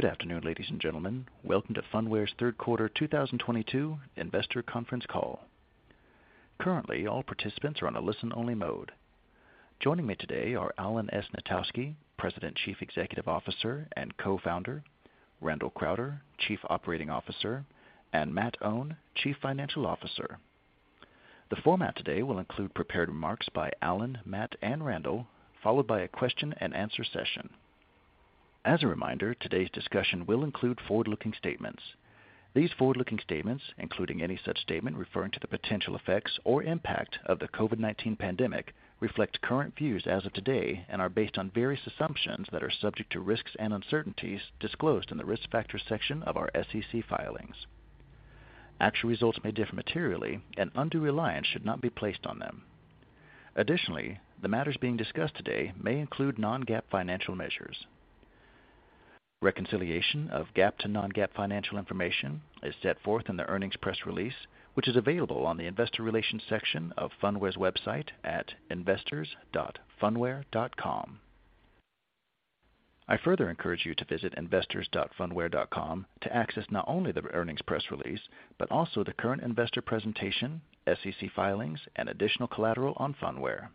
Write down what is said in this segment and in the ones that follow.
Good afternoon, ladies and gentlemen. Welcome to Phunware's Third Quarter 2022 Investor Conference call. Currently, all participants are on a listen-only mode. Joining me today are Alan S. Knitowski, President, Chief Executive Officer, and Co-founder, Randall Crowder, Chief Operating Officer, and Matt Aune, Chief Financial Officer. The format today will include prepared remarks by Alan, Matt, and Randall, followed by a question-and-answer session. As a reminder, today's discussion will include forward-looking statements. These forward-looking statements, including any such statement referring to the potential effects or impact of the COVID-19 pandemic, reflect current views as of today and are based on various assumptions that are subject to risks and uncertainties disclosed in the Risk Factors section of our SEC filings. Actual results may differ materially, and undue reliance should not be placed on them. Additionally, the matters being discussed today may include non-GAAP financial measures. Reconciliation of GAAP to non-GAAP financial information is set forth in the earnings press release, which is available on the investor relations section of Phunware's website at investors.phunware.com. I further encourage you to visit investors.phunware.com to access not only the earnings press release, but also the current investor presentation, SEC filings, and additional collateral on Phunware.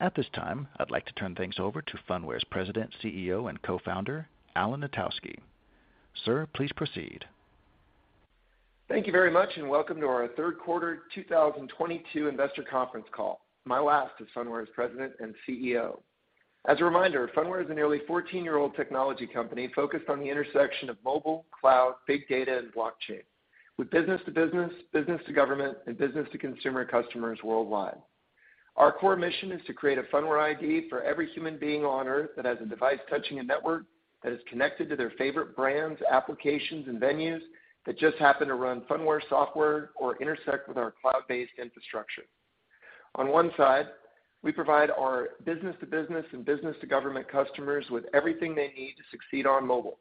At this time, I'd like to turn things over to Phunware's President, CEO, and Co-founder, Alan Knitowski. Sir, please proceed. Thank you very much, and welcome to our Third Quarter 2022 Investor Conference call, my last as Phunware's President and CEO. As a reminder, Phunware is a nearly 14-year-old technology company focused on the intersection of mobile, cloud, big data, and blockchain with business-to-business, business-to-government, and business-to-consumer customers worldwide. Our core mission is to create a Phunware ID for every human being on Earth that has a device touching a network that is connected to their favorite brands, applications, and venues that just happen to run Phunware software or intersect with our cloud-based infrastructure. On one side, we provide our business-to-business and business-to-government customers with everything they need to succeed on mobile,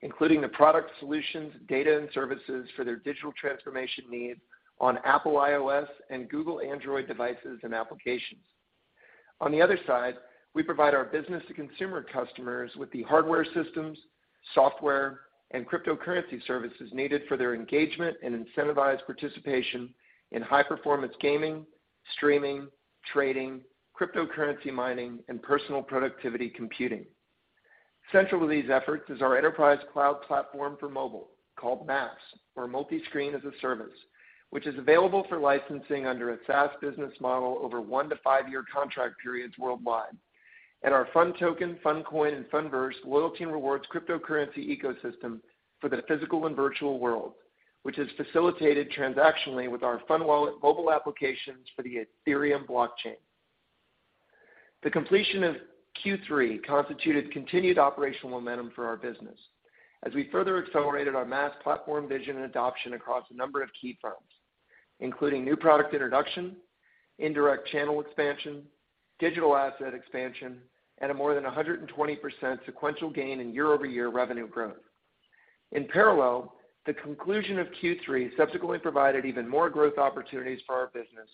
including the product solutions, data, and services for their digital transformation needs on Apple iOS and Google Android devices and applications. On the other side, we provide our business-to-consumer customers with the hardware systems, software, and cryptocurrency services needed for their engagement and incentivized participation in high-performance gaming, streaming, trading, cryptocurrency mining, and personal productivity computing. Central to these efforts is our enterprise cloud platform for mobile called MaaS, or Multi-Screen as a Service, which is available for licensing under a SaaS business model over one to five-year contract periods worldwide, and our PhunToken, PhunCoin, and PhunVerse loyalty and rewards cryptocurrency ecosystem for the physical and virtual world, which is facilitated transactionally with our PhunWallet mobile applications for the Ethereum blockchain. The completion of Q3 constituted continued operational momentum for our business as we further accelerated our MaaS platform vision and adoption across a number of key firms, including new product introduction, indirect channel expansion, digital asset expansion, and more than 120% sequential gain in year-over-year revenue growth. In parallel, the conclusion of Q3 subsequently provided even more growth opportunities for our business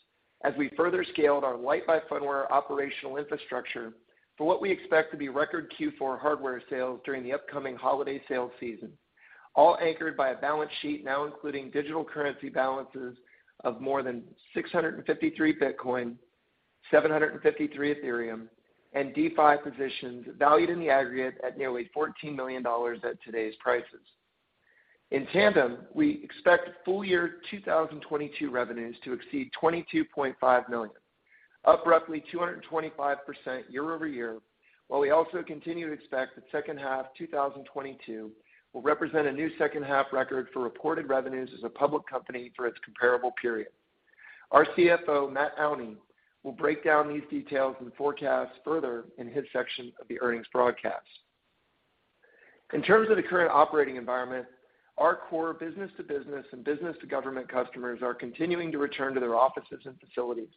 as we further scaled our Lyte by Phunware operational infrastructure for what we expect to be record Q4 hardware sales during the upcoming holiday sales season, all anchored by a balance sheet now including digital currency balances of more than 653 Bitcoin, 753 Ethereum, and DeFi positions valued in the aggregate at nearly $14 million at today's prices. In tandem, we expect full year 2022 revenues to exceed $22.5 million, up roughly 225% year-over-year, while we also continue to expect that second half 2022 will represent a new second half record for reported revenues as a public company for its comparable period. Our CFO, Matt Aune, will break down these details and forecasts further in his section of the earnings broadcast. In terms of the current operating environment, our core business-to-business and business-to-government customers are continuing to return to their offices and facilities,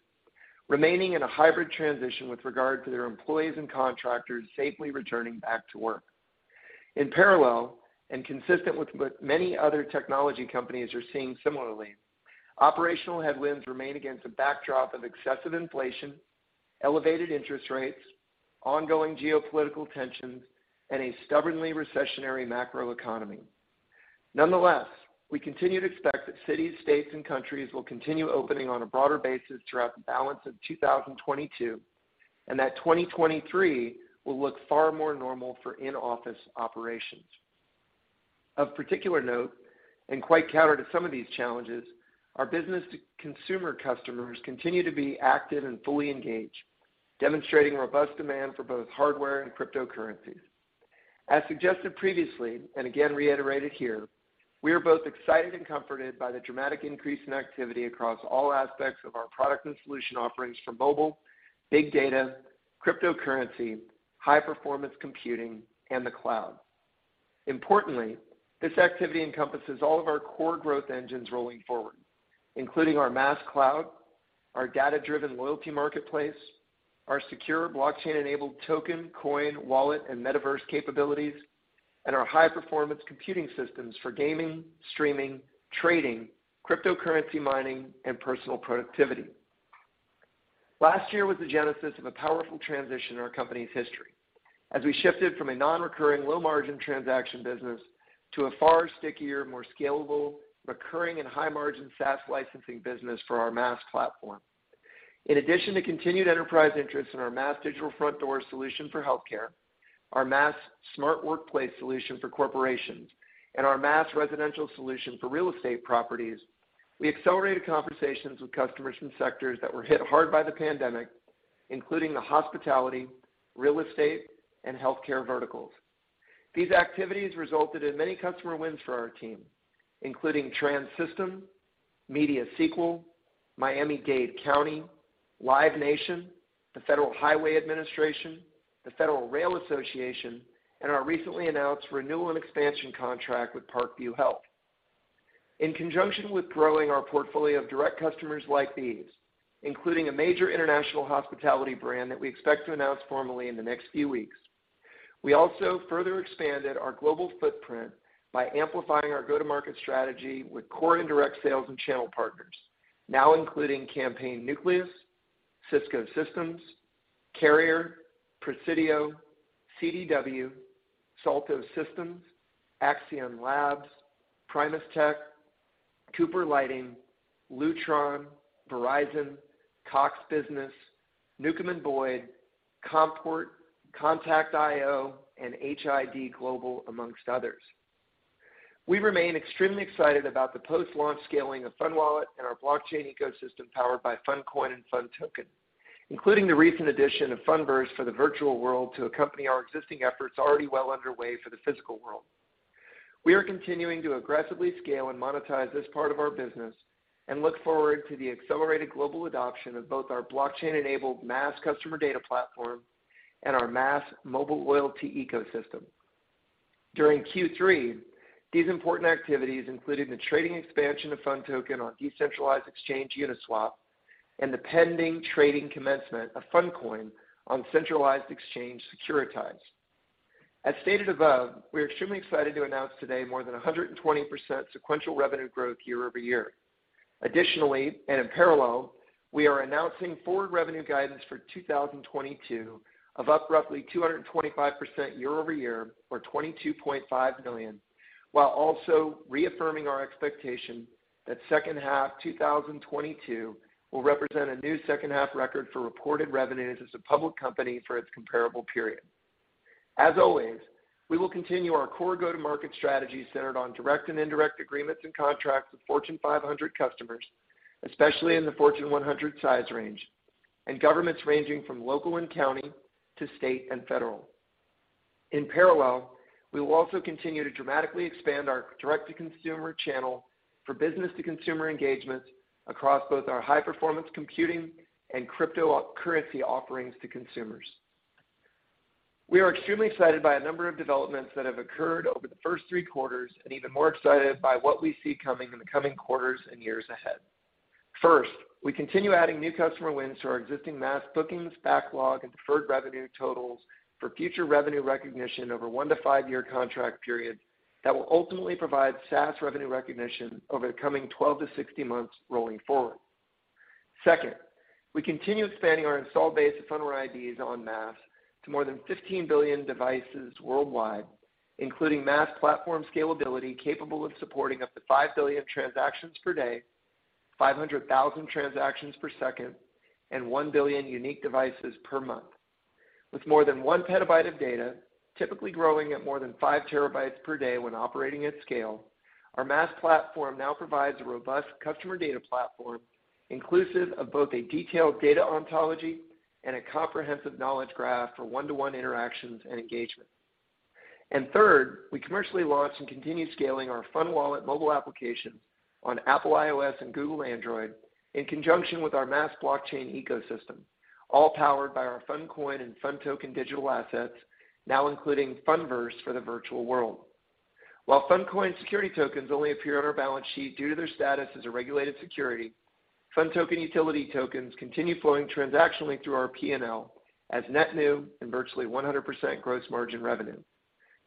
remaining in a hybrid transition with regard to their employees and contractors safely returning back to work. In parallel and consistent with what many other technology companies are seeing similarly, operational headwinds remain against a backdrop of excessive inflation, elevated interest rates, ongoing geopolitical tensions, and a stubbornly recessionary macroeconomy. Nonetheless, we continue to expect that cities, states, and countries will continue opening on a broader basis throughout the balance of 2022, and that 2023 will look far more normal for in-office operations. Of particular note, and quite counter to some of these challenges, our business-to-consumer customers continue to be active and fully engaged, demonstrating robust demand for both hardware and cryptocurrencies. As suggested previously, and again reiterated here, we are both excited and comforted by the dramatic increase in activity across all aspects of our product and solution offerings for mobile, big data, cryptocurrency, high performance computing, and the cloud. Importantly, this activity encompasses all of our core growth engines rolling forward, including our MaaS cloud, our data-driven loyalty marketplace, our secure blockchain-enabled token, coin, wallet, and metaverse capabilities, and our high-performance computing systems for gaming, streaming, trading, cryptocurrency mining, and personal productivity. Last year was the genesis of a powerful transition in our company's history as we shifted from a non-recurring low margin transaction business to a far stickier, more scalable, recurring, and high-margin SaaS licensing business for our MaaS platform. In addition to continued enterprise interest in our MaaS Digital Front Door solution for healthcare, our MaaS Smart Workplace solution for corporations, and our MaaS Residential solution for real estate properties, we accelerated conversations with customers from sectors that were hit hard by the pandemic, including the hospitality, real estate, and healthcare verticals. These activities resulted in many customer wins for our team, including Trans-System, MediaSequel, Miami-Dade County, Live Nation, the Federal Highway Administration, the Federal Railroad Administration, and our recently announced renewal and expansion contract with Parkview Health. In conjunction with growing our portfolio of direct customers like these, including a major international hospitality brand that we expect to announce formally in the next few weeks, we also further expanded our global footprint by amplifying our go-to-market strategy with core indirect sales and channel partners, now including Campaign Nucleus, Cisco Systems, Carrier, Presidio, CDW, Salto Systems, Accion Labs, Primus Technologies, Cooper Lighting Solutions, Lutron Electronics, Verizon, Cox Business, Newcomb & Boyd, Comport, Kontakt.io, and HID Global, amongst others. We remain extremely excited about the post-launch scaling of PhunWallet and our blockchain ecosystem powered by PhunCoin and PhunToken, including the recent addition of PhunVerse for the virtual world to accompany our existing efforts already well underway for the physical world. We are continuing to aggressively scale and monetize this part of our business and look forward to the accelerated global adoption of both our blockchain-enabled MaaS customer data platform and our MaaS mobile loyalty ecosystem. During Q3, these important activities included the trading expansion of PhunToken on decentralized exchange Uniswap and the pending trading commencement of PhunCoin on centralized exchange Securitize. As stated above, we are extremely excited to announce today more than 120% sequential revenue growth year-over-year. Additionally, and in parallel, we are announcing forward revenue guidance for 2022 of up roughly 225% year-over-year, or $22.5 million, while also reaffirming our expectation that second half 2022 will represent a new second-half record for reported revenues as a public company for its comparable period. As always, we will continue our core go-to-market strategy centered on direct and indirect agreements and contracts with Fortune 500 customers, especially in the Fortune 100 size range, and governments ranging from local and county to state and federal. In parallel, we will also continue to dramatically expand our direct-to-consumer channel for business-to-consumer engagement across both our high-performance computing and cryptocurrency offerings to consumers. We are extremely excited by a number of developments that have occurred over the first three quarters, and even more excited by what we see coming in the coming quarters and years ahead. First, we continue adding new customer wins to our existing MaaS bookings backlog and deferred revenue totals for future revenue recognition over one to five-year contract periods that will ultimately provide SaaS revenue recognition over the coming 12-60 months rolling forward. Second, we continue expanding our install base of Phunware IDs on MaaS to more than 15 billion devices worldwide, including MaaS platform scalability capable of supporting up to 5 billion transactions per day, 500,000 transactions per second, and 1 billion unique devices per month. With more than 1 PB of data, typically growing at more than 5 TB per day when operating at scale, our MaaS platform now provides a robust customer data platform inclusive of both a detailed data ontology and a comprehensive knowledge graph for one-to-one interactions and engagement. Third, we commercially launched and continue scaling our PhunWallet mobile application on Apple iOS and Google Android in conjunction with our MaaS blockchain ecosystem, all powered by our PhunCoin and PhunToken digital assets, now including PhunVerse for the virtual world. While PhunCoin security tokens only appear on our balance sheet due to their status as a regulated security, PhunToken utility tokens continue flowing transactionally through our P&L as net new and virtually 100% gross margin revenue.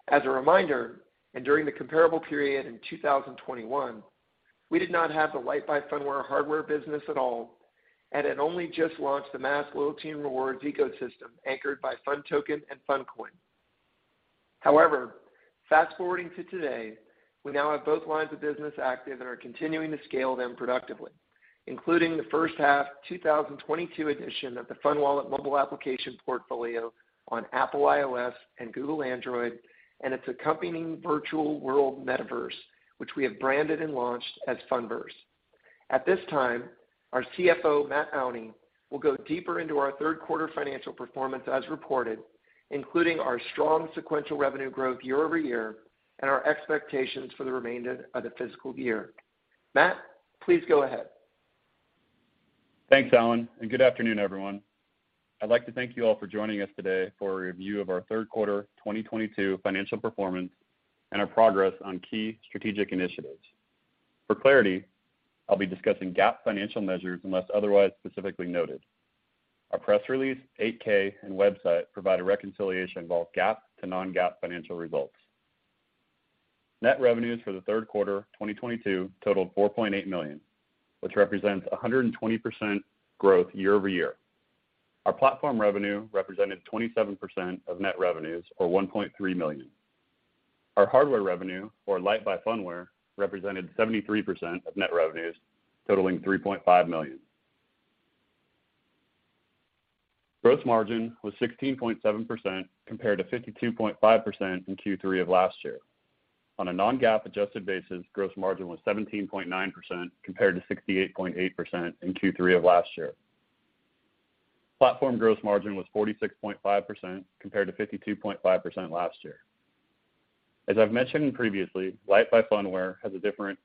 As a reminder, during the comparable period in 2021, we did not have the Lyte by Phunware hardware business at all and had only just launched the MaaS loyalty and rewards ecosystem anchored by PhunToken and PhunCoin. However, fast-forwarding to today, we now have both lines of business active and are continuing to scale them productively, including the first half 2022 edition of the PhunWallet mobile application portfolio on Apple iOS and Google Android and its accompanying virtual world metaverse, which we have branded and launched as PhunVerse. At this time, our CFO, Matt Aune, will go deeper into our third quarter financial performance as reported, including our strong sequential revenue growth year-over-year and our expectations for the remainder of the fiscal year. Matt, please go ahead. Thanks, Alan, and good afternoon, everyone. I'd like to thank you all for joining us today for a review of our third quarter 2022 financial performance and our progress on key strategic initiatives. For clarity, I'll be discussing GAAP financial measures unless otherwise specifically noted. Our press release, 8-K, and website provide a reconciliation of both GAAP to non-GAAP financial results. Net revenues for the third quarter 2022 totaled $4.8 million, which represents 120% growth year-over-year. Our platform revenue represented 27% of net revenues, or $1.3 million. Our hardware revenue for Lyte by Phunware represented 73% of net revenues, totaling $3.5 million. Gross margin was 16.7% compared to 52.5% in Q3 of last year. On a non-GAAP adjusted basis, gross margin was 17.9% compared to 68.8% in Q3 of last year. Platform gross margin was 46.5% compared to 52.5% last year. As I've mentioned previously, Lyte by Phunware has a different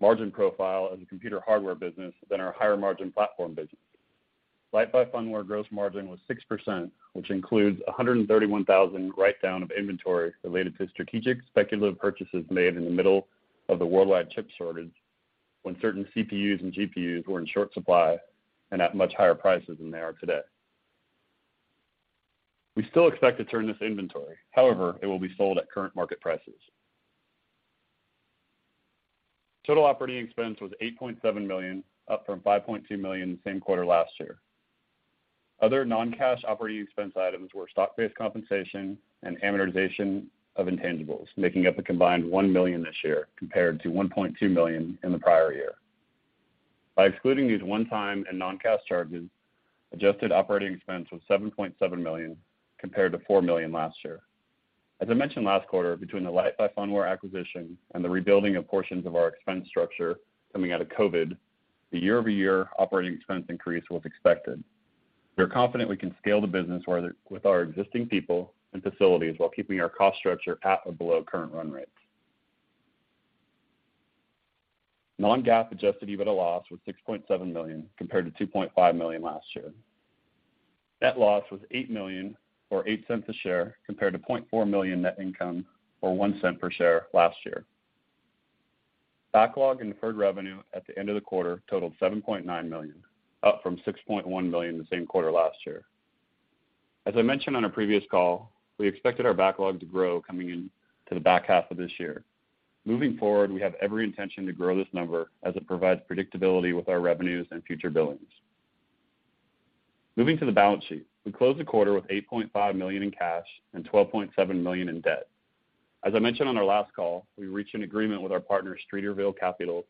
margin profile as a computer hardware business than our higher margin platform business. Lyte by Phunware gross margin was 6%, which includes a $131,000 write-down of inventory related to strategic speculative purchases made in the middle of the worldwide chip shortage when certain CPUs and GPUs were in short supply and at much higher prices than they are today. We still expect to turn this inventory. However, it will be sold at current market prices. Total operating expense was $8.7 million, up from $5.2 million the same quarter last year. Other non-cash operating expense items were stock-based compensation and amortization of intangibles, making up a combined $1 million this year compared to $1.2 million in the prior year. By excluding these one-time and non-cash charges, adjusted operating expense was $7.7 million compared to $4 million last year. As I mentioned last quarter, between the Lyte by Phunware acquisition and the rebuilding of portions of our expense structure coming out of COVID, the year-over-year operating expense increase was expected. We are confident we can scale the business with our existing people and facilities while keeping our cost structure at or below current run rates. Non-GAAP adjusted EBITDA loss was $6.7 million compared to $2.5 million last year. Net loss was $8 million or $0.08 per share compared to $0.4 million net income or $0.01 per share last year. Backlog and deferred revenue at the end of the quarter totalled $7.9 million, up from $6.1 million the same quarter last year. As I mentioned on a previous call, we expected our backlog to grow coming in to the back half of this year. Moving forward, we have every intention to grow this number as it provides predictability with our revenues and future billings. Moving to the balance sheet. We closed the quarter with $8.5 million in cash and $12.7 million in debt. As I mentioned on our last call, we reached an agreement with our partner Streeterville Capital,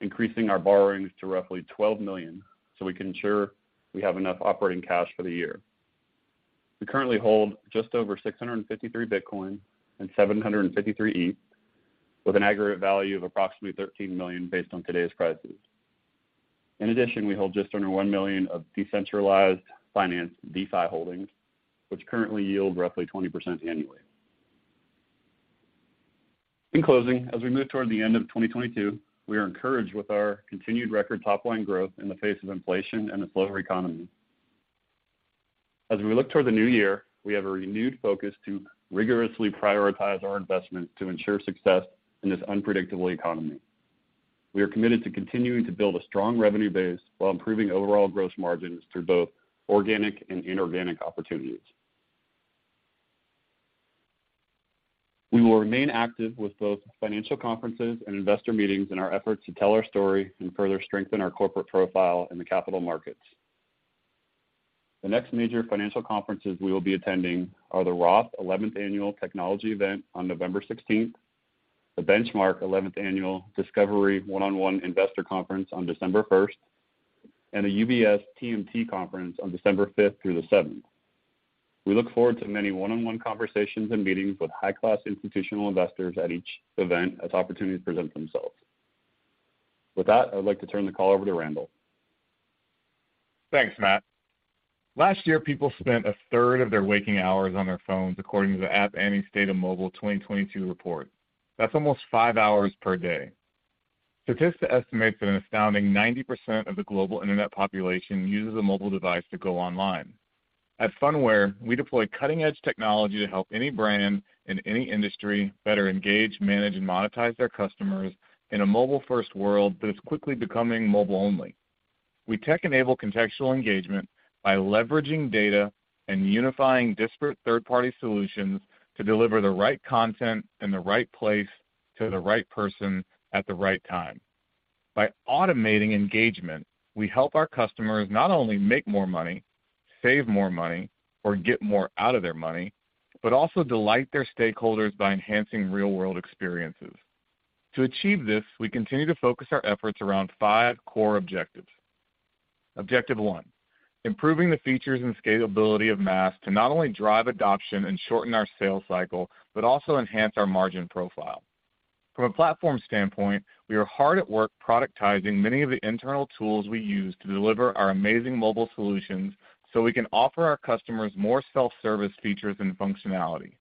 increasing our borrowings to roughly $12 million so we can ensure we have enough operating cash for the year. We currently hold just over 653 Bitcoin and 753 ETH with an aggregate value of approximately $13 million based on today's prices. In addition, we hold just under $1 million of decentralized finance DeFi holdings, which currently yield roughly 20% annually. In closing, as we move toward the end of 2022, we are encouraged with our continued record top line growth in the face of inflation and a slower economy. As we look toward the new year, we have a renewed focus to rigorously prioritize our investment to ensure success in this unpredictable economy. We are committed to continuing to build a strong revenue base while improving overall gross margins through both organic and inorganic opportunities. We will remain active with both financial conferences and investor meetings in our efforts to tell our story and further strengthen our corporate profile in the capital markets. The next major financial conferences we will be attending are the Roth 11th Annual Technology Event on November 16th, the Benchmark 11th Annual Discovery One-on-One Investor Conference on December 1st, and the UBS TMT Conference on December 5th through the 7th. We look forward to many one-on-one conversations and meetings with high-class institutional investors at each event as opportunities present themselves. With that, I would like to turn the call over to Randall. Thanks, Matt. Last year, people spent a third of their waking hours on their phones according to the App Annie State of Mobile 2022 report. That's almost five hours per day. Statista estimates that an astounding 90% of the global internet population uses a mobile device to go online. At Phunware, we deploy cutting-edge technology to help any brand in any industry better engage, manage, and monetize their customers in a mobile-first world that is quickly becoming mobile-only. We tech-enable contextual engagement by leveraging data and unifying disparate third-party solutions to deliver the right content in the right place to the right person at the right time. By automating engagement, we help our customers not only make more money, save more money or get more out of their money, but also delight their stakeholders by enhancing real-world experiences. To achieve this, we continue to focus our efforts around five core objectives. Objective one. Improving the features and scalability of MaaS to not only drive adoption and shorten our sales cycle, but also enhance our margin profile. From a platform standpoint, we are hard at work productizing many of the internal tools we use to deliver our amazing mobile solutions so we can offer our customers more self-service features and functionality.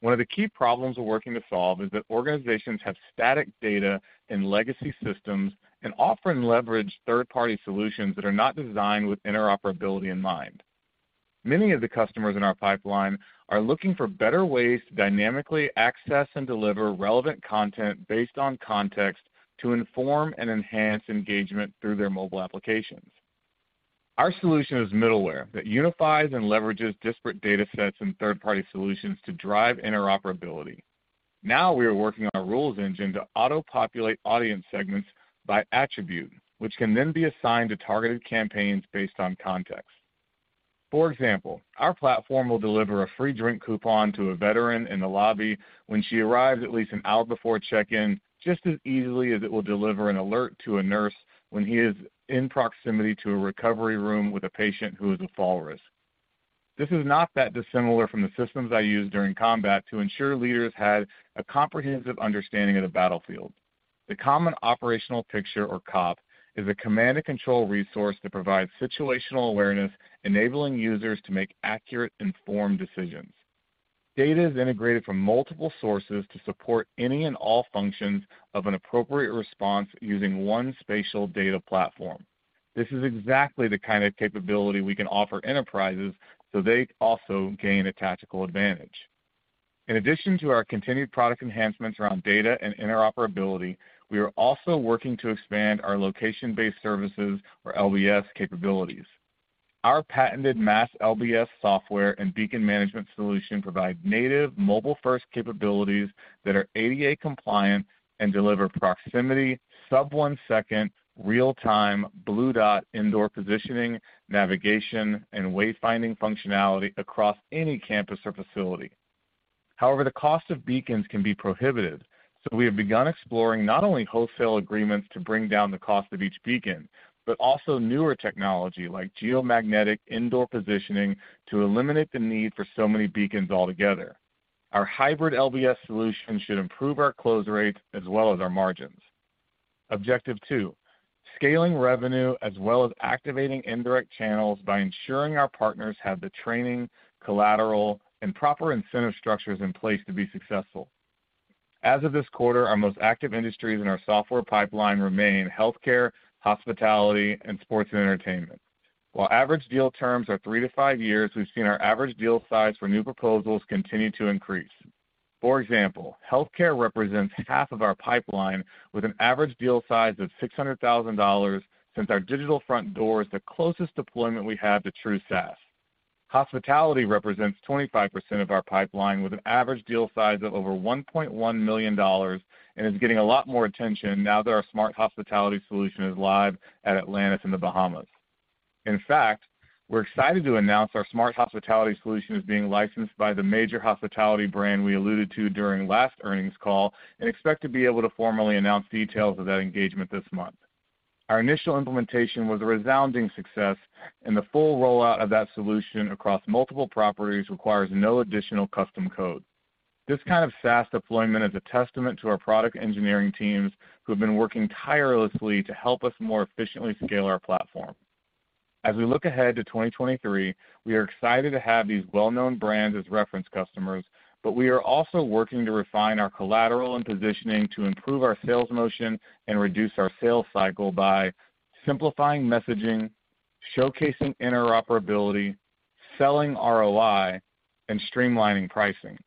One of the key problems we're working to solve is that organizations have static data in legacy systems and often leverage third-party solutions that are not designed with interoperability in mind. Many of the customers in our pipeline are looking for better ways to dynamically access and deliver relevant content based on context to inform and enhance engagement through their mobile applications. Our solution is middleware that unifies and leverages disparate data sets and third-party solutions to drive interoperability. Now we are working on a rules engine to auto-populate audience segments by attribute, which can then be assigned to targeted campaigns based on context. For example, our platform will deliver a free drink coupon to a veteran in the lobby when she arrives at least an hour before check-in, just as easily as it will deliver an alert to a nurse when he is in proximity to a recovery room with a patient who is a fall risk. This is not that dissimilar from the systems I used during combat to ensure leaders had a comprehensive understanding of the battlefield. The Common Operational Picture, or COP, is a command and control resource that provides situational awareness, enabling users to make accurate, informed decisions. Data is integrated from multiple sources to support any and all functions of an appropriate response using one spatial data platform. This is exactly the kind of capability we can offer enterprises so they also gain a tactical advantage. In addition to our continued product enhancements around data and interoperability, we are also working to expand our Location-Based Services or LBS capabilities. Our patented MaaS LBS software and beacon management solution provide native mobile-first capabilities that are ADA compliant and deliver proximity, sub-one-second, real-time, blue dot indoor positioning, navigation, and wayfinding functionality across any campus or facility. However, the cost of beacons can be prohibitive, so we have begun exploring not only wholesale agreements to bring down the cost of each beacon, but also newer technology like geomagnetic indoor positioning to eliminate the need for so many beacons altogether. Our hybrid LBS solution should improve our close rates as well as our margins. Objective two, scaling revenue as well as activating indirect channels by ensuring our partners have the training, collateral, and proper incentive structures in place to be successful. As of this quarter, our most active industries in our software pipeline remain healthcare, hospitality, and sports and entertainment. While average deal terms are three-five years, we've seen our average deal size for new proposals continue to increase. For example, healthcare represents half of our pipeline with an average deal size of $600,000 since our digital front door is the closest deployment we have to true SaaS. Hospitality represents 25% of our pipeline with an average deal size of over $1.1 million and is getting a lot more attention now that our smart hospitality solution is live at Atlantis in the Bahamas. In fact, we're excited to announce our smart hospitality solution is being licensed by the major hospitality brand we alluded to during last earnings call and expect to be able to formally announce details of that engagement this month. Our initial implementation was a resounding success, and the full rollout of that solution across multiple properties requires no additional custom code. This kind of SaaS deployment is a testament to our product engineering teams who have been working tirelessly to help us more efficiently scale our platform. As we look ahead to 2023, we are excited to have these well-known brands as reference customers, but we are also working to refine our collateral and positioning to improve our sales motion and reduce our sales cycle by simplifying messaging, showcasing interoperability, selling ROI, and streamlining pricing.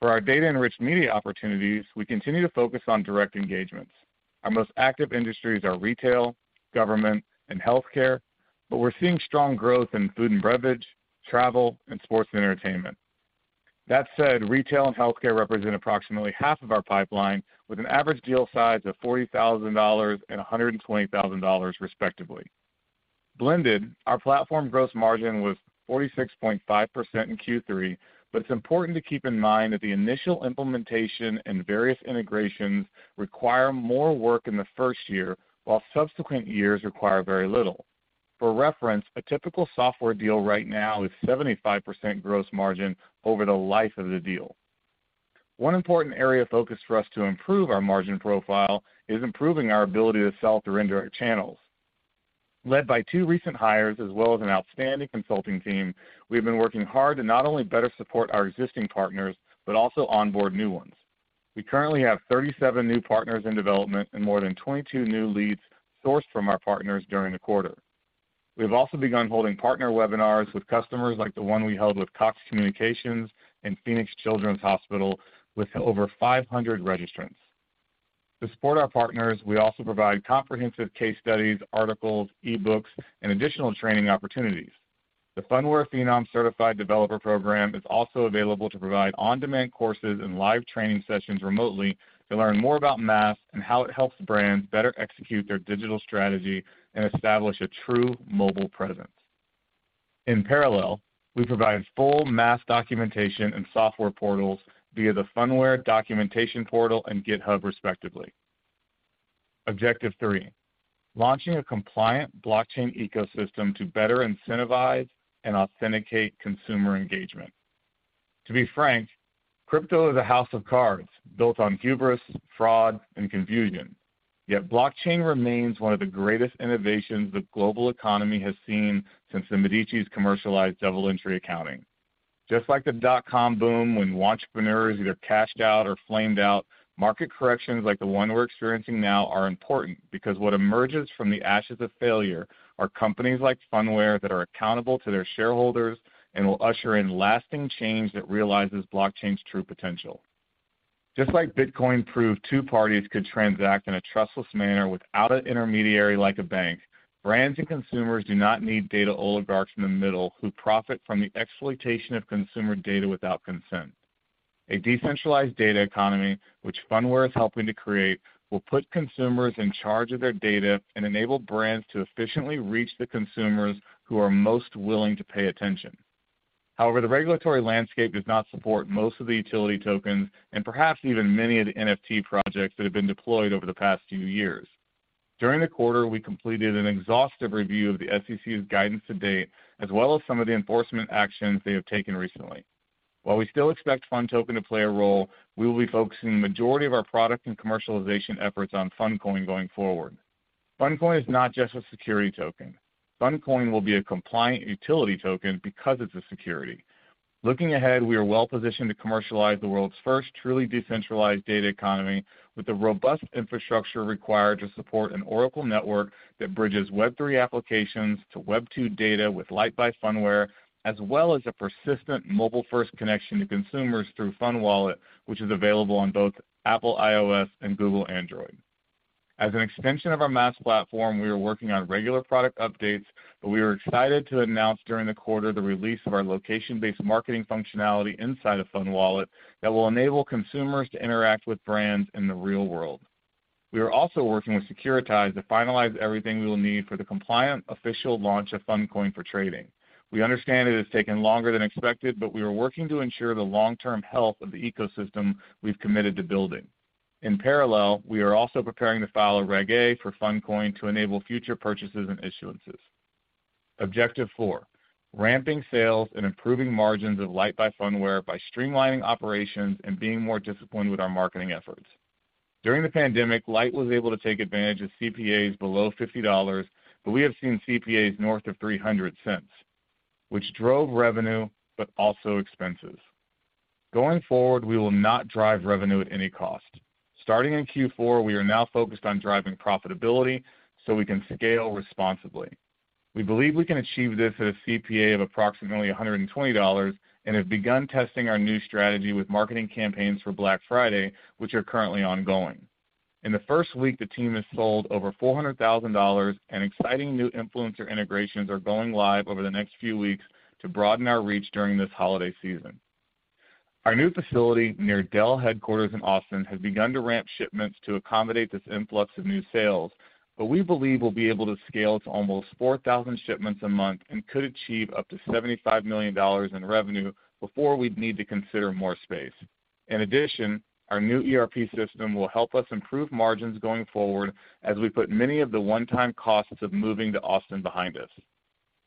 For our data-enriched media opportunities, we continue to focus on direct engagements. Our most active industries are retail, government, and healthcare, but we're seeing strong growth in food and beverage, travel, and sports and entertainment. That said, retail and healthcare represent approximately half of our pipeline with an average deal size of $40,000 and $120,000, respectively. Blended, our platform gross margin was 46.5% in Q3, but it's important to keep in mind that the initial implementation and various integrations require more work in the first year, while subsequent years require very little. For reference, a typical software deal right now is 75% gross margin over the life of the deal. One important area of focus for us to improve our margin profile is improving our ability to sell through indirect channels. Led by two recent hires as well as an outstanding consulting team, we have been working hard to not only better support our existing partners, but also onboard new ones. We currently have 37 new partners in development and more than 22 new leads sourced from our partners during the quarter. We have also begun holding partner webinars with customers like the one we held with Cox Communications and Phoenix Children's Hospital with over 500 registrants. To support our partners, we also provide comprehensive case studies, articles, e-books, and additional training opportunities. The Phunware Phenom Certified Developer Program is also available to provide on-demand courses and live training sessions remotely to learn more about MaaS and how it helps brands better execute their digital strategy and establish a true mobile presence. In parallel, we provide full MaaS documentation and software portals via the Phunware documentation portal and GitHub, respectively. Objective three, launching a compliant blockchain ecosystem to better incentivize and authenticate consumer engagement. To be frank, crypto is a house of cards built on hubris, fraud, and confusion. Yet blockchain remains one of the greatest innovations the global economy has seen since the Medici commercialized double-entry accounting. Just like the dot-com boom when wantrepreneurs either cashed out or flamed out, market corrections like the one we're experiencing now are important because what emerges from the ashes of failure are companies like Phunware that are accountable to their shareholders and will usher in lasting change that realizes blockchain's true potential. Just like Bitcoin proved two parties could transact in a trustless manner without an intermediary like a bank, brands and consumers do not need data oligarchs in the middle who profit from the exploitation of consumer data without consent. A decentralized data economy, which Phunware is helping to create, will put consumers in charge of their data and enable brands to efficiently reach the consumers who are most willing to pay attention. However, the regulatory landscape does not support most of the utility tokens and perhaps even many of the NFT projects that have been deployed over the past few years. During the quarter, we completed an exhaustive review of the SEC's guidance to date, as well as some of the enforcement actions they have taken recently. While we still expect PhunToken to play a role, we will be focusing the majority of our product and commercialization efforts on PhunCoin going forward. PhunCoin is not just a security token. PhunCoin will be a compliant utility token because it's a security. Looking ahead, we are well-positioned to commercialize the world's first truly decentralized data economy with the robust infrastructure required to support an Oracle network that bridges Web3 applications to Web2 data with Lyte by Phunware, as well as a persistent mobile-first connection to consumers through PhunWallet, which is available on both Apple iOS and Google Android. As an extension of our MaaS platform, we are working on regular product updates, but we are excited to announce during the quarter the release of our location-based marketing functionality inside of PhunWallet that will enable consumers to interact with brands in the real world. We are also working with Securitize to finalize everything we will need for the compliant official launch of PhunCoin for trading. We understand it has taken longer than expected, but we are working to ensure the long-term health of the ecosystem we've committed to building. In parallel, we are also preparing to file a Regulation A for PhunCoin to enable future purchases and issuances. Objective four. Ramping sales and improving margins of Lyte by Phunware by streamlining operations and being more disciplined with our marketing efforts. During the pandemic, Lyte was able to take advantage of CPAs below $50, but we have seen CPAs north of $300, which drove revenue, but also expenses. Going forward, we will not drive revenue at any cost. Starting in Q4, we are now focused on driving profitability so we can scale responsibly. We believe we can achieve this at a CPA of approximately $120 and have begun testing our new strategy with marketing campaigns for Black Friday, which are currently ongoing. In the first week, the team has sold over $400,000, and exciting new influencer integrations are going live over the next few weeks to broaden our reach during this holiday season. Our new facility near Dell headquarters in Austin has begun to ramp shipments to accommodate this influx of new sales, but we believe we'll be able to scale to almost 4,000 shipments a month and could achieve up to $75 million in revenue before we'd need to consider more space. In addition, our new ERP system will help us improve margins going forward as we put many of the one-time costs of moving to Austin behind us.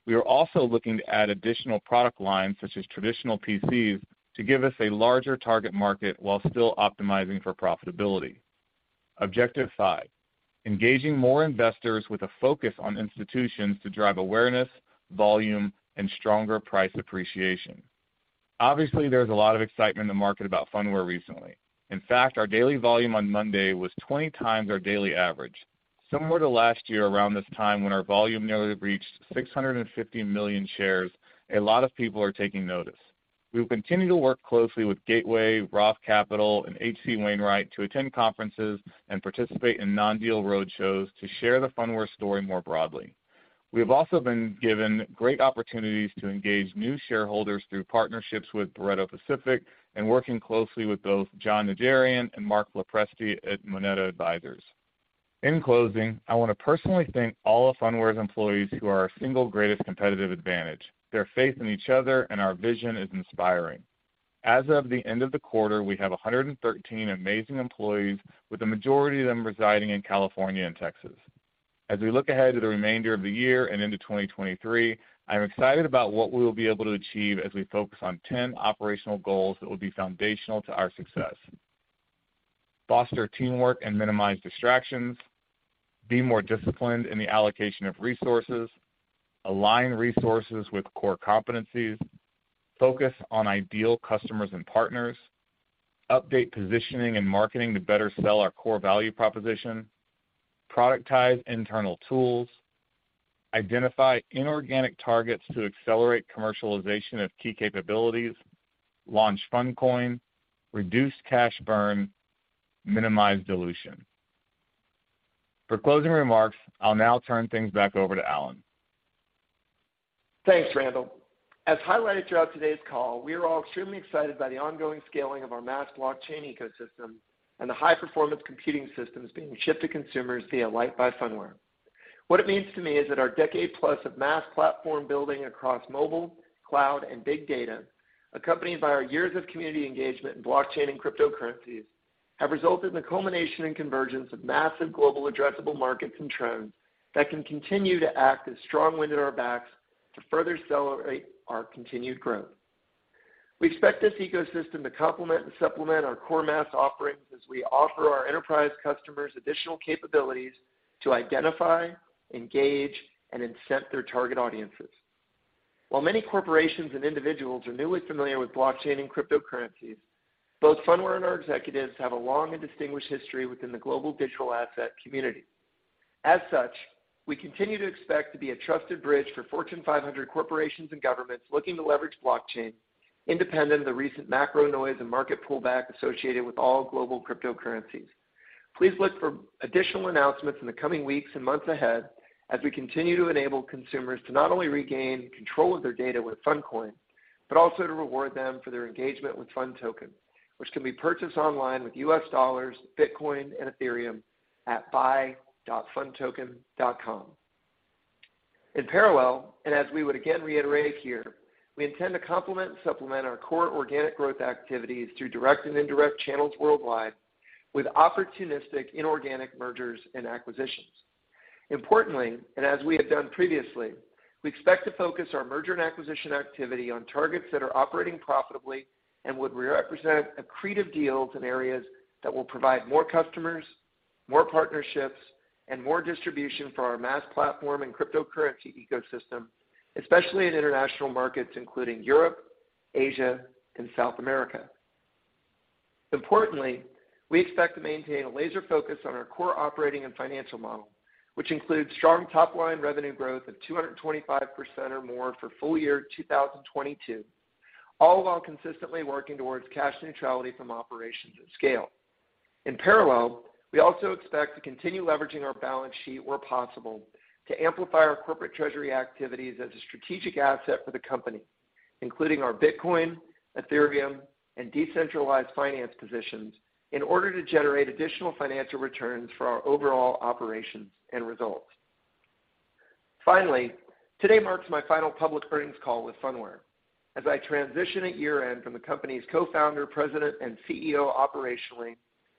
We are also looking to add additional product lines, such as traditional PCs, to give us a larger target market while still optimizing for profitability. Objective five. Engaging more investors with a focus on institutions to drive awareness, volume, and stronger price appreciation. Obviously, there's a lot of excitement in the market about Phunware recently. In fact, our daily volume on Monday was 20 times our daily average. Similar to last year around this time when our volume nearly reached 650 million shares, a lot of people are taking notice. We will continue to work closely with Gateway, Roth Capital, and H.C. Wainwright to attend conferences and participate in non-deal roadshows to share the Phunware story more broadly. We have also been given great opportunities to engage new shareholders through partnerships with Barretto Pacific and working closely with both Jon Najarian and Marc LoPresti at Moneta Advisory Partners. In closing, I want to personally thank all of Phunware's employees who are our single greatest competitive advantage. Their faith in each other and our vision is inspiring. As of the end of the quarter, we have 113 amazing employees, with the majority of them residing in California and Texas. As we look ahead to the remainder of the year and into 2023, I'm excited about what we will be able to achieve as we focus on 10 operational goals that will be foundational to our success. Foster teamwork and minimize distractions, be more disciplined in the allocation of resources, align resources with core competencies, focus on ideal customers and partners, update positioning and marketing to better sell our core value proposition, productize internal tools, identify inorganic targets to accelerate commercialization of key capabilities, launch PhunCoin, reduce cash burn, minimize dilution. For closing remarks, I'll now turn things back over to Alan. Thanks, Randall. As highlighted throughout today's call, we are all extremely excited by the ongoing scaling of our MaaS blockchain ecosystem and the high-performance computing systems being shipped to consumers via Lyte by Phunware. What it means to me is that our decade plus of MaaS platform building across mobile, cloud, and big data, accompanied by our years of community engagement in blockchain and cryptocurrencies, have resulted in the culmination and convergence of massive global addressable markets and trends that can continue to act as strong wind at our backs to further accelerate our continued growth. We expect this ecosystem to complement and supplement our core MaaS offerings as we offer our enterprise customers additional capabilities to identify, engage, and incent their target audiences. While many corporations and individuals are newly familiar with blockchain and cryptocurrencies, both Phunware and our executives have a long and distinguished history within the global digital asset community. As such, we continue to expect to be a trusted bridge for Fortune 500 corporations and governments looking to leverage blockchain independent of the recent macro noise and market pullback associated with all global cryptocurrencies. Please look for additional announcements in the coming weeks and months ahead as we continue to enable consumers to not only regain control of their data with PhunCoin, but also to reward them for their engagement with PhunToken, which can be purchased online with U.S. dollars, Bitcoin and Ethereum at buy.phuntoken.com. In parallel, and as we would again reiterate here, we intend to complement and supplement our core organic growth activities through direct and indirect channels worldwide with opportunistic inorganic mergers and acquisitions. Importantly, and as we have done previously, we expect to focus our merger and acquisition activity on targets that are operating profitably and would represent accretive deals in areas that will provide more customers, more partnerships, and more distribution for our MaaS platform and cryptocurrency ecosystem, especially in international markets including Europe, Asia, and South America. Importantly, we expect to maintain a laser focus on our core operating and financial model, which includes strong top line revenue growth of 225% or more for full year 2022, all while consistently working towards cash neutrality from operations at scale. In parallel, we also expect to continue leveraging our balance sheet where possible to amplify our corporate treasury activities as a strategic asset for the company, including our Bitcoin, Ethereum, and decentralized finance positions in order to generate additional financial returns for our overall operations and results. Finally, today marks my final public earnings call with Phunware as I transition at year-end from the company's Co-founder, President, and CEO operationally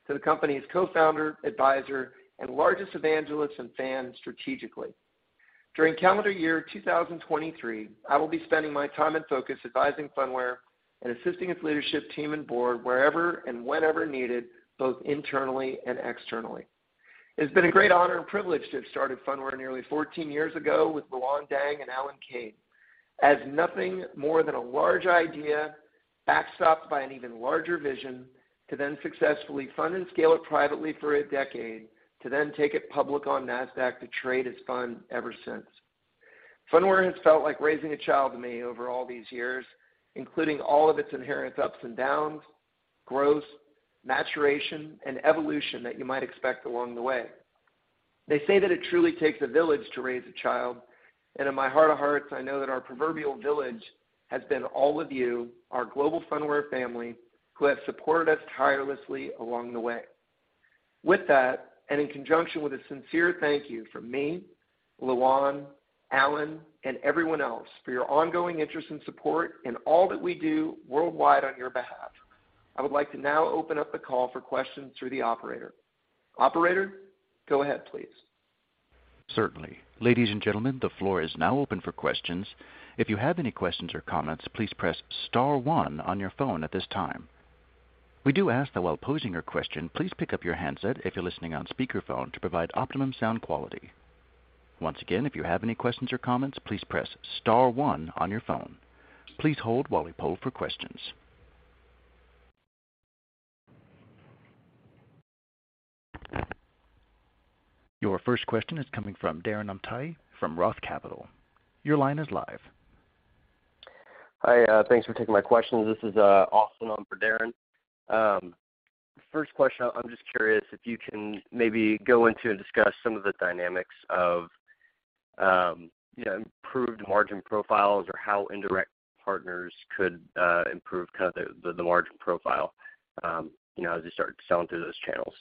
to the company's co-founder, Advisor, and largest evangelist and fan strategically. During calendar year 2023, I will be spending my time and focus advising Phunware and assisting its leadership team and board wherever and whenever needed, both internally and externally. It's been a great honor and privilege to have started Phunware nearly 14 years ago with Luan Dang and Alan Kane as nothing more than a large idea backstopped by an even larger vision to then successfully fund and scale it privately for a decade, to then take it public on Nasdaq to trade as PHUN ever since. Phunware has felt like raising a child to me over all these years, including all of its inherent ups and downs, growth, maturation, and evolution that you might expect along the way. They say that it truly takes a village to raise a child, and in my heart of hearts, I know that our proverbial village has been all of you, our global Phunware family, who have supported us tirelessly along the way. With that, and in conjunction with a sincere thank you from me, Luan, Alan, and everyone else for your ongoing interest and support in all that we do worldwide on your behalf, I would like to now open up the call for questions through the operator. Operator, go ahead, please. Certainly. Ladies and gentlemen, the floor is now open for questions. If you have any questions or comments, please press star one on your phone at this time. We do ask that while posing your question, please pick up your handset if you're listening on speakerphone to provide optimum sound quality. Once again, if you have any questions or comments, please press star one on your phone. Please hold while we poll for questions. Your first question is coming from Darren Aftahi from Roth Capital Partners. Your line is live. Hi, thanks for taking my questions. This is Austin on for Darren. First question, I'm just curious if you can maybe go into and discuss some of the dynamics of, you know, improved margin profiles or how indirect partners could improve kind of the margin profile, you know, as you start selling through those channels?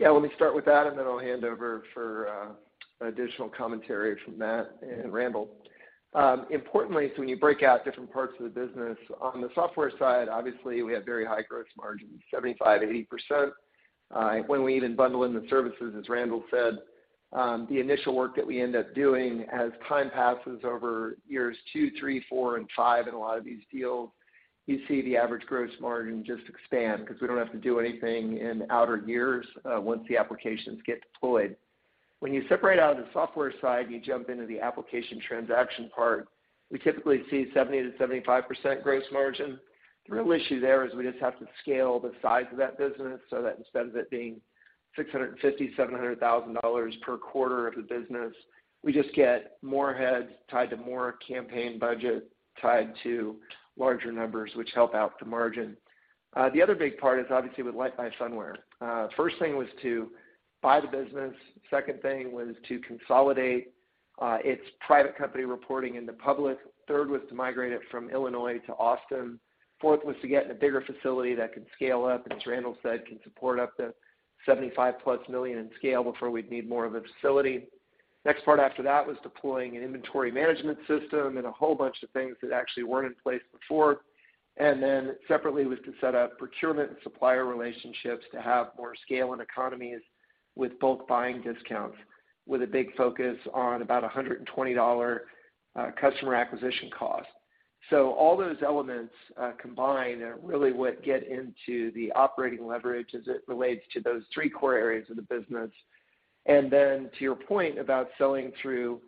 Yeah, let me start with that, and then I'll hand over for additional commentary from Matt and Randall. Importantly, so when you break out different parts of the business, on the software side, obviously we have very high gross margins, 75%-80%. When we even bundle in the services, as Randall said, the initial work that we end up doing as time passes over years two, three, four and five in a lot of these deals, you see the average gross margin just expand 'cause we don't have to do anything in outer years, once the applications get deployed. When you separate out of the software side, you jump into the application transaction part, we typically see 70%-75% gross margin. The real issue there is we just have to scale the size of that business so that instead of it being $650,000-$700,000 per quarter of the business, we just get more heads tied to more campaign budget tied to larger numbers, which help out the margin. The other big part is obviously with Lyte by Phunware. First thing was to buy the business. Second thing was to consolidate its private company reporting into public. Third was to migrate it from Illinois to Austin. Fourth was to get in a bigger facility that could scale up, as Randall said, can support up to 75+ million in scale before we'd need more of a facility. Next part after that was deploying an inventory management system and a whole bunch of things that actually weren't in place before. Separately was to set up procurement and supplier relationships to have more scale and economies with bulk buying discounts with a big focus on about $120 customer acquisition cost. All those elements combined are really what get into the operating leverage as it relates to those three core areas of the business. To your point about selling through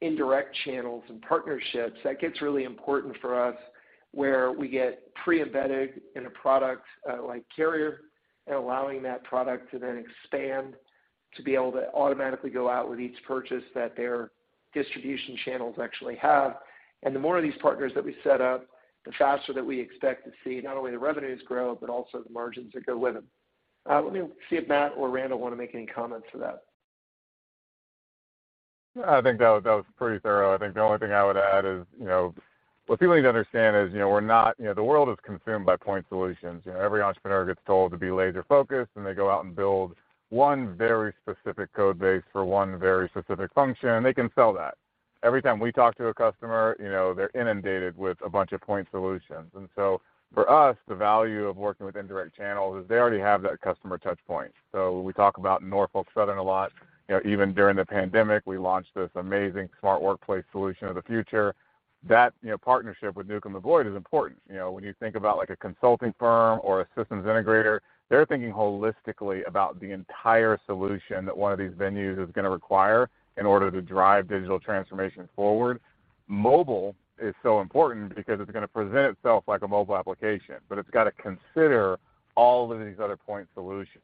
indirect channels and partnerships, that gets really important for us where we get pre-embedded in a product, like Carrier, and allowing that product to then expand to be able to automatically go out with each purchase that their distribution channels actually have. The more these partners that we set up, the faster that we expect to see not only the revenues grow, but also the margins that go with them. Let me see if Matt or Randall want to make any comments to that. I think that was pretty thorough. I think the only thing I would add is, you know, what people need to understand is, you know, the world is consumed by point solutions. You know, every entrepreneur gets told to be laser-focused, and they go out and build one very specific code base for one very specific function, and they can sell that. Every time we talk to a customer, you know, they're inundated with a bunch of point solutions. For us, the value of working with indirect channels is they already have that customer touch point. When we talk about Norfolk Southern a lot, you know, even during the pandemic, we launched this amazing smart workplace solution of the future. That partnership with Newcomb & Boyd is important. You know, when you think about like a consulting firm or a systems integrator, they're thinking holistically about the entire solution that one of these venues is gonna require in order to drive digital transformation forward. Mobile is so important because it's gonna present itself like a mobile application, but it's got to consider all of these other point solutions.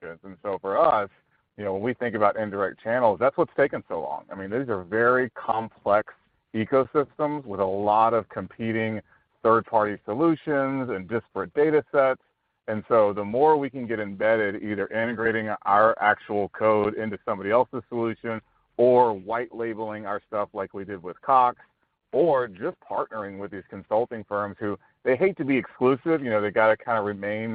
For us, you know, when we think about indirect channels, that's what's taken so long. I mean, these are very complex ecosystems with a lot of competing third-party solutions and disparate datasets. The more we can get embedded, either integrating our actual code into somebody else's solution or white labeling our stuff like we did with Cox, or just partnering with these consulting firms who they hate to be exclusive, you know, they got to kind of remain,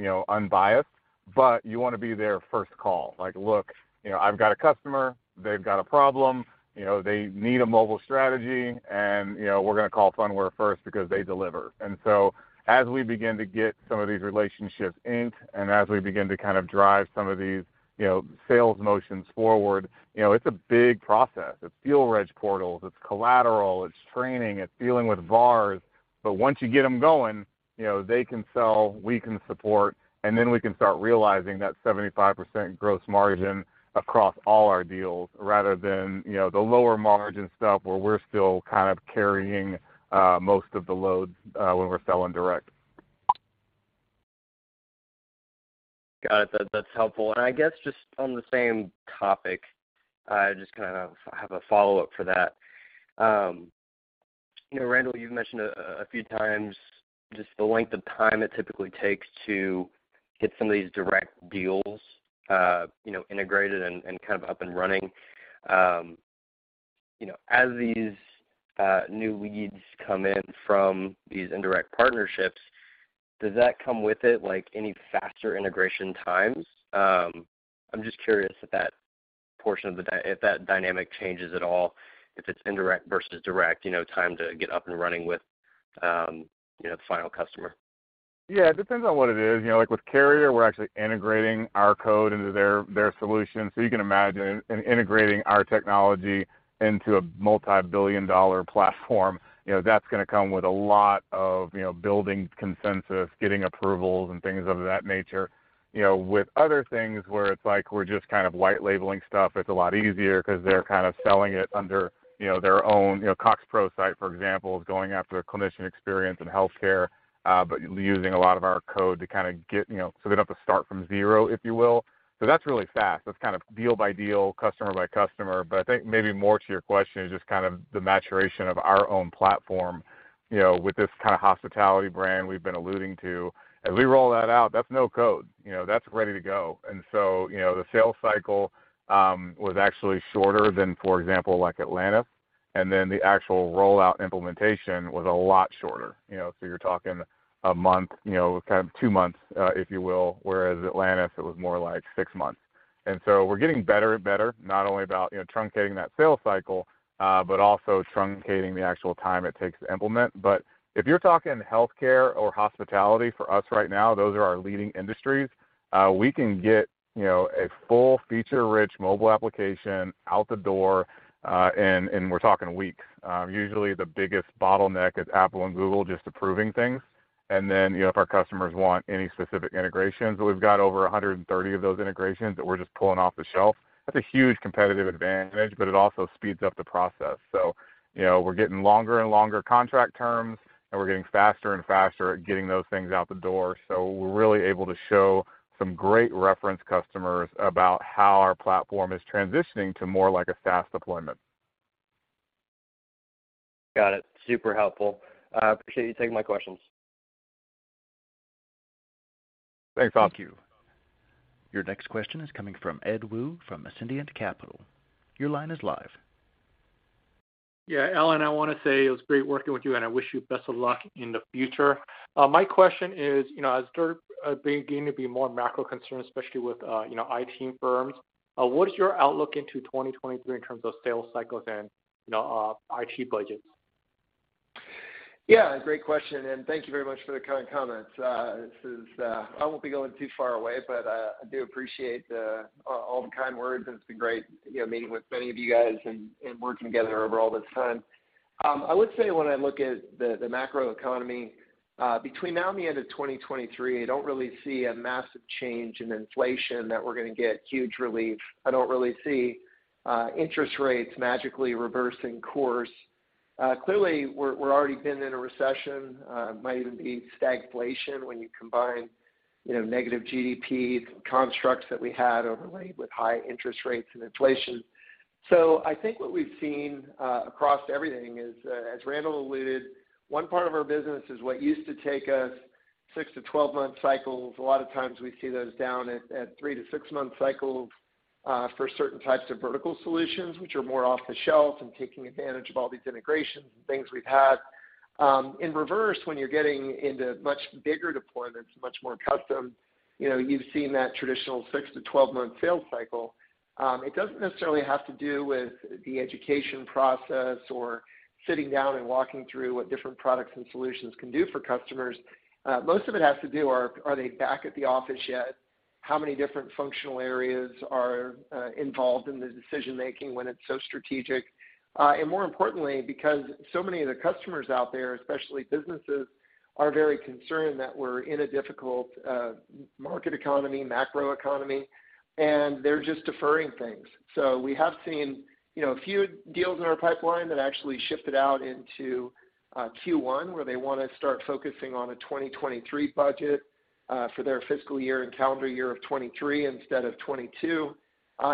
you know, unbiased, but you wanna be their first call. Like, "Look, you know, I've got a customer, they've got a problem, you know, they need a mobile strategy, and, you know, we're gonna call Phunware first because they deliver." As we begin to get some of these relationships inked, and as we begin to kind of drive some of these, you know, sales motions forward, you know, it's a big process. It's deal reg portals, it's collateral, it's training, it's dealing with VARs. Once you get them going, you know, they can sell, we can support, and then we can start realizing that 75% gross margin across all our deals rather than, you know, the lower margin stuff where we're still kind of carrying most of the load when we're selling direct. Got it. That's helpful. I guess just on the same topic, I just kind of have a follow-up for that. You know, Randall, you've mentioned a few times just the length of time it typically takes to get some of these direct deals, you know, integrated and kind of up and running. You know, as these new leads come in from these indirect partnerships, does that come with it like any faster integration times? I'm just curious if that portion of the dynamic changes at all, if it's indirect versus direct, you know, time to get up and running with, you know, the final customer. Yeah, it depends on what it is. You know, like with Carrier, we're actually integrating our code into their solution. You can imagine in integrating our technology into a multi-billion dollar platform, you know, that's gonna come with a lot of, you know, building consensus, getting approvals, and things of that nature. You know, with other things where it's like we're just kind of white labeling stuff, it's a lot easier because they're kind of selling it under, you know, their own. You know, Cox ProSight, for example, is going after the clinician experience in healthcare, but using a lot of our code to kind of get, you know, so they don't have to start from zero, if you will. That's really fast. That's kind of deal by deal, customer by customer. I think maybe more to your question is just kind of the maturation of our own platform, you know, with this kind of hospitality brand we've been alluding to. As we roll that out, that's no code. You know, that's ready to go. you know, the sales cycle was actually shorter than, for example, like Atlantis. the actual rollout implementation was a lot shorter. You know, you're talking a month, you know, kind of two months, if you will, whereas Atlantis, it was more like six months. we're getting better and better, not only about, you know, truncating that sales cycle, but also truncating the actual time it takes to implement. if you're talking healthcare or hospitality for us right now, those are our leading industries. We can get, you know, a full feature-rich mobile application out the door, and we're talking weeks. Usually, the biggest bottleneck is Apple and Google just approving things. If our customers want any specific integrations, we've got over 130 of those integrations that we're just pulling off the shelf. That's a huge competitive advantage, but it also speeds up the process. You know, we're getting longer and longer contract terms, and we're getting faster and faster at getting those things out the door. We're really able to show some great reference customers about how our platform is transitioning to more like a SaaS deployment. Got it. Super helpful. I appreciate you taking my questions. Thanks, Austin. Thank you. Your next question is coming from Ed Wu from Ascendiant Capital. Your line is live. Yeah, Alan, I wanna say it was great working with you, and I wish you best of luck in the future. My question is, you know, as there begin to be more macro concerns, especially with, you know, IT firms, what is your outlook into 2023 in terms of sales cycles and, you know, IT budgets? Yeah, great question, and thank you very much for the kind comments. This is, I won't be going too far away, but I do appreciate all the kind words, and it's been great, you know, meeting with many of you guys and working together over all this time. I would say when I look at the macro economy, between now and the end of 2023, I don't really see a massive change in inflation that we're gonna get huge relief. I don't really see interest rates magically reversing course. Clearly we're already been in a recession, might even be stagflation when you combine, you know, negative GDP constructs that we had overlaid with high interest rates and inflation. I think what we've seen across everything is, as Randall alluded, one part of our business is what used to take us six to 12-month cycles. A lot of times we see those down at three to six-month cycles for certain types of vertical solutions, which are more off the shelf and taking advantage of all these integrations and things we've had. In reverse, when you're getting into much bigger deployments, much more custom, you know, you've seen that traditional six to 12-month sales cycle. It doesn't necessarily have to do with the education process or sitting down and walking through what different products and solutions can do for customers. Most of it has to do, are they back at the office yet? How many different functional areas are involved in the decision making when it's so strategic? More importantly, because so many of the customers out there, especially businesses, are very concerned that we're in a difficult market economy, macro economy, and they're just deferring things. We have seen, you know, a few deals in our pipeline that actually shifted out into Q1, where they wanna start focusing on a 2023 budget for their fiscal year and calendar year of 2023 instead of 2022.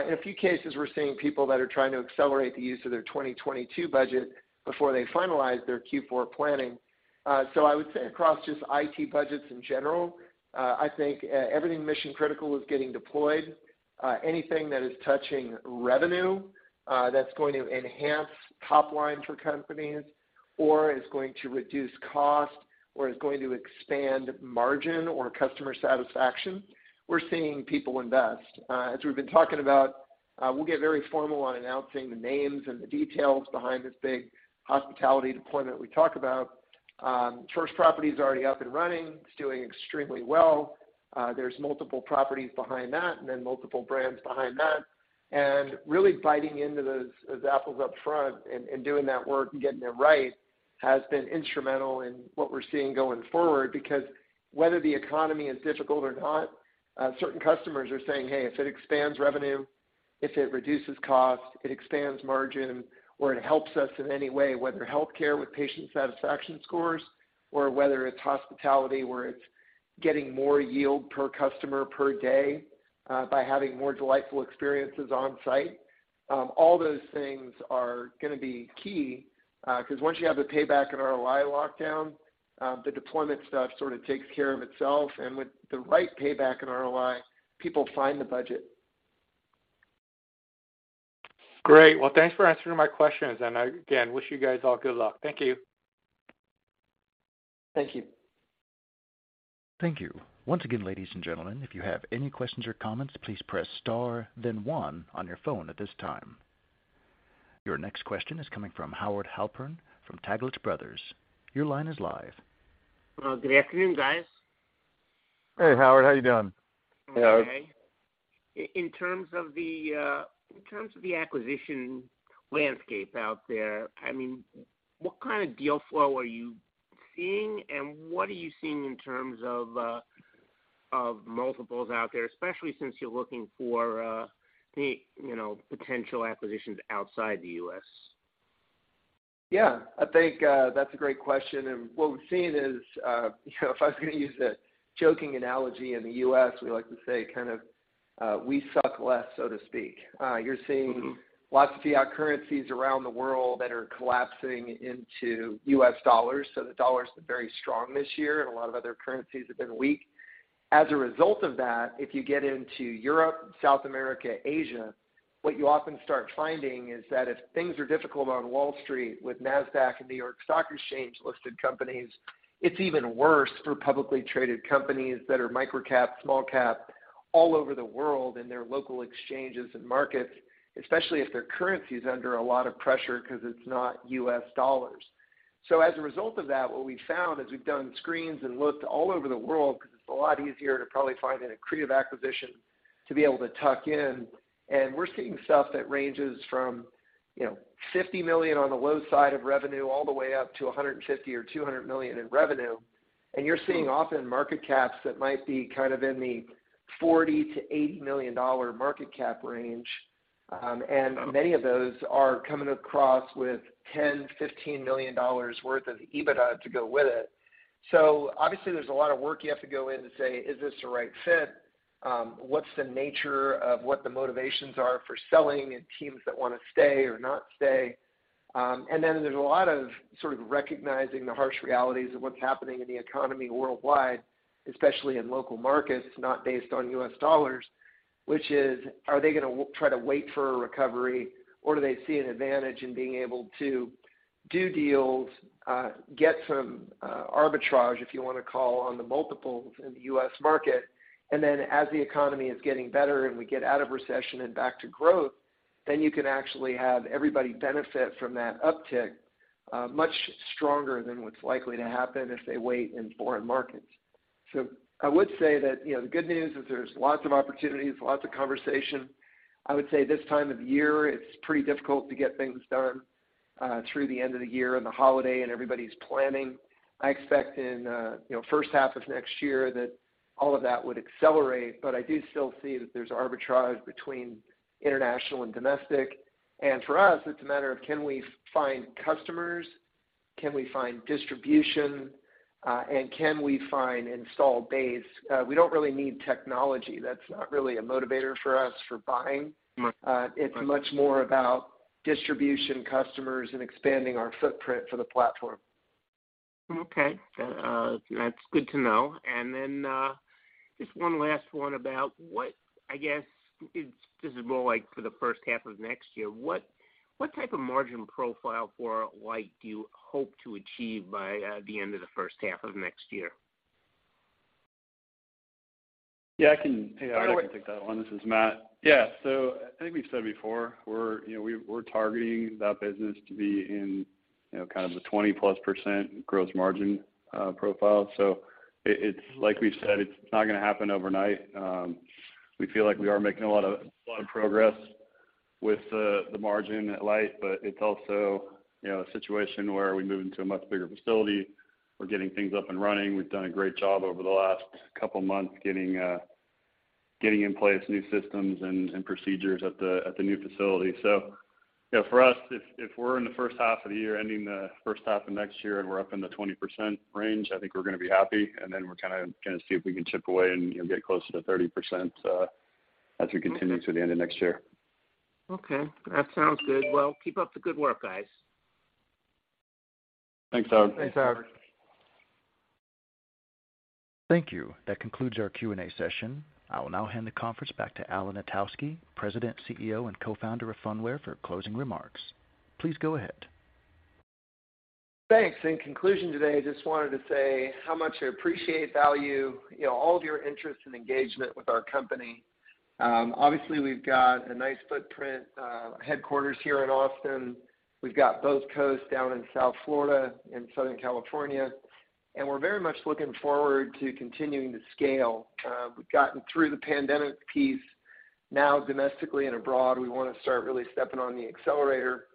In a few cases, we're seeing people that are trying to accelerate the use of their 2022 budget before they finalize their Q4 planning. I would say across just IT budgets in general, I think everything mission-critical is getting deployed. Anything that is touching revenue, that's going to enhance top line for companies or is going to reduce cost or is going to expand margin or customer satisfaction, we're seeing people invest. As we've been talking about, we'll get very formal on announcing the names and the details behind this big hospitality deployment we talk about. First property is already up and running. It's doing extremely well. There's multiple properties behind that, and then multiple brands behind that. Really biting into those apples up front and doing that work and getting them right has been instrumental in what we're seeing going forward. Because whether the economy is difficult or not, certain customers are saying, "Hey, if it expands revenue, if it reduces cost, it expands margin, or it helps us in any way, whether healthcare with patient satisfaction scores or whether it's hospitality, where it's getting more yield per customer per day, by having more delightful experiences on site," all those things are gonna be key. 'Cause once you have the payback and ROI locked down, the deployment stuff sort of takes care of itself. With the right payback and ROI, people find the budget. Great. Well, thanks for answering my questions. I, again, wish you guys all good luck. Thank you. Thank you. Thank you. Once again, ladies and gentlemen, if you have any questions or comments, please press star then one on your phone at this time. Your next question is coming from Howard Halpern from Taglich Brothers. Your line is live. Well, good afternoon, guys. Hey, Howard, how you doing? Hey, Howard. I'm okay. In terms of the acquisition landscape out there, I mean, what kind of deal flow are you seeing, and what are you seeing in terms of multiples out there, especially since you're looking for you know, potential acquisitions outside the U.S.? Yeah, I think that's a great question. What we've seen is, you know, if I was gonna use a joking analogy in the U.S., we like to say kind of, we suck less, so to speak. You're seeing- Mm-hmm Lots of fiat currencies around the world that are collapsing into U.S. dollars. The dollar's been very strong this year, and a lot of other currencies have been weak. As a result of that, if you get into Europe, South America, Asia, what you often start finding is that if things are difficult on Wall Street with Nasdaq and New York Stock Exchange-listed companies, it's even worse for publicly traded companies that are micro-cap, small-cap all over the world in their local exchanges and markets, especially if their currency is under a lot of pressure 'cause it's not U.S. dollars. As a result of that, what we've found as we've done screens and looked all over the world, 'cause it's a lot easier to probably find an accretive acquisition to be able to tuck in. We're seeing stuff that ranges from, you know, $50 million on the low side of revenue all the way up to $150 or $200 million in revenue. You're seeing often market caps that might be kind of in the $40-$80 million market cap range. Many of those are coming across with $10-$15 million worth of EBITDA to go with it. Obviously, there's a lot of work you have to go in to say, "Is this the right fit? What's the nature of what the motivations are for selling and teams that wanna stay or not stay? There's a lot of sort of recognizing the harsh realities of what's happening in the economy worldwide, especially in local markets, not based on U.S. dollars, which is, are they gonna try to wait for a recovery, or do they see an advantage in being able to do deals, get some arbitrage, if you wanna call it, on the multiples in the U.S. market? As the economy is getting better and we get out of recession and back to growth, you can actually have everybody benefit from that uptick much stronger than what's likely to happen if they wait in foreign markets. I would say that, you know, the good news is there's lots of opportunities, lots of conversation. I would say this time of year, it's pretty difficult to get things done through the end of the year and the holiday, and everybody's planning. I expect in, you know, first half of next year that all of that would accelerate. I do still see that there's arbitrage between international and domestic. For us, it's a matter of can we find customers, can we find distribution, and can we find install base? We don't really need technology. That's not really a motivator for us for buying. Mm. It's much more about distribution customers and expanding our footprint for the platform. Okay. That's good to know. Then, just one last one about what I guess it's just more like for the first half of next year, what type of margin profile for Lyte do you hope to achieve by the end of the first half of next year? Yeah, I can. All right. Hey, Howard, I can take that one. This is Matt. Yeah. I think we've said before we're targeting that business to be in kind of the +20% gross margin profile. It's like we said, it's not gonna happen overnight. We feel like we are making a lot of progress with the margin at Lyte, but it's also a situation where we move into a much bigger facility. We're getting things up and running. We've done a great job over the last couple of months getting in place new systems and procedures at the new facility. You know, for us, if we're in the first half of the year, ending the first half of next year, and we're up in the 20% range, I think we're gonna be happy, and then we're kinda see if we can chip away and, you know, get closer to 30%, as we continue to the end of next year. Okay, that sounds good. Well, keep up the good work, guys. Thanks, Howard. Thanks, Howard. Thank you. That concludes our Q&A session. I will now hand the conference back to Alan Knitowski, President, CEO, and Co-founder of Phunware, for closing remarks. Please go ahead. Thanks. In conclusion today, I just wanted to say how much I appreciate, value, you know, all of your interest and engagement with our company. Obviously, we've got a nice footprint, headquarters here in Austin. We've got both coasts down in South Florida and Southern California, and we're very much looking forward to continuing to scale. We've gotten through the pandemic piece now domestically and abroad. We wanna start really stepping on the accelerator.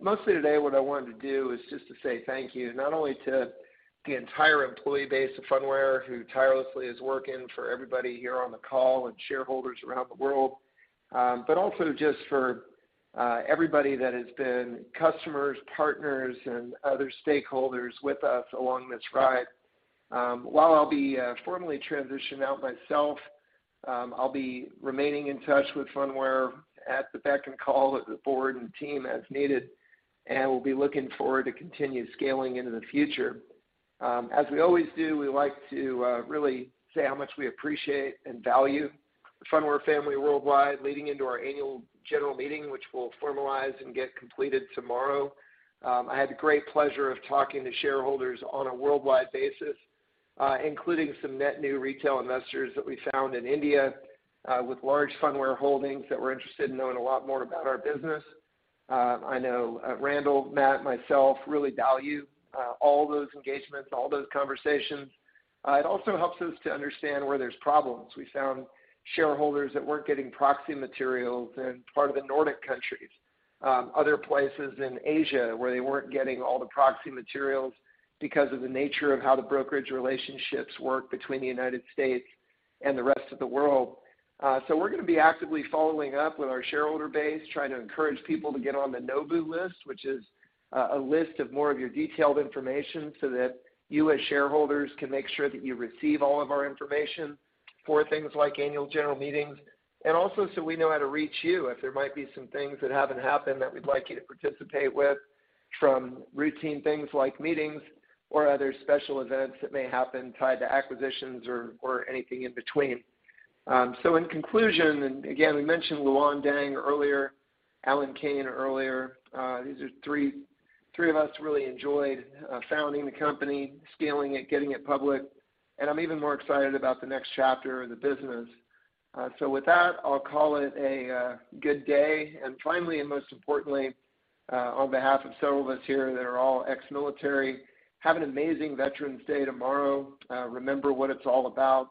Mostly today, what I wanted to do is just to say thank you, not only to the entire employee base of Phunware, who tirelessly is working for everybody here on the call and shareholders around the world, but also just for everybody that has been customers, partners, and other stakeholders with us along this ride. While I'll be formally transitioning out myself, I'll be remaining in touch with Phunware at the beck and call of the board and team as needed, and we'll be looking forward to continue scaling into the future. As we always do, we like to really say how much we appreciate and value the Phunware family worldwide, leading into our annual general meeting, which we'll formalize and get completed tomorrow. I had the great pleasure of talking to shareholders on a worldwide basis, including some net new retail investors that we found in India, with large Phunware holdings that were interested in knowing a lot more about our business. I know Randall, Matt, myself really value all those engagements, all those conversations. It also helps us to understand where there's problems. We found shareholders that weren't getting proxy materials in part of the Nordic countries, other places in Asia, where they weren't getting all the proxy materials because of the nature of how the brokerage relationships work between the United States and the rest of the world. We're gonna be actively following up with our shareholder base, trying to encourage people to get on the NOBO list, which is a list of more of your detailed information, so that you as shareholders can make sure that you receive all of our information for things like annual general meetings. We know how to reach you if there might be some things that haven't happened that we'd like you to participate with from routine things like meetings or other special events that may happen tied to acquisitions or anything in between. In conclusion, and again, we mentioned Luan Dang earlier, Alan Kane earlier. These are three of us who really enjoyed founding the company, scaling it, getting it public, and I'm even more excited about the next chapter of the business. With that, I'll call it a good day. Finally, and most importantly, on behalf of several of us here that are all ex-military, have an amazing Veterans Day tomorrow. Remember what it's all about.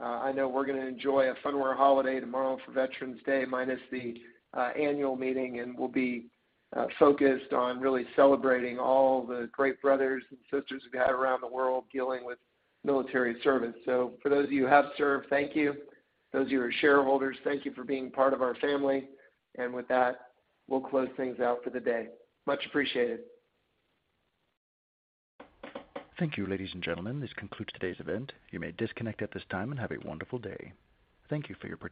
I know we're gonna enjoy a Phunware holiday tomorrow for Veterans Day, minus the annual meeting, and we'll be focused on really celebrating all the great brothers and sisters we've had around the world dealing with military service. For those who have served, thank you. Those of you who are shareholders, thank you for being part of our family. With that, we'll close things out for the day. Much appreciated. Thank you, ladies and gentlemen. This concludes today's event. You may disconnect at this time and have a wonderful day. Thank you for your participation.